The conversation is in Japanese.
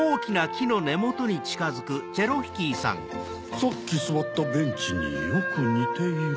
さっきすわったベンチによくにている。